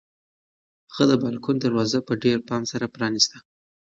هغې د بالکن دروازه په ډېر پام سره پرانیسته.